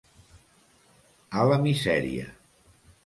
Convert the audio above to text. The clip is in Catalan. A la misèria.